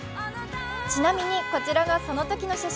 ちなみにこちらがそのときの写真。